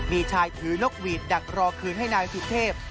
มีชายถือนกหวีดดักรอคืนให้นายสุเทพ